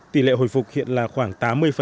tỷ lệ hồi phục hiện là khoảng tám mươi